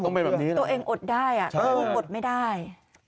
ตัวเองอดได้ลูกอดไม่ได้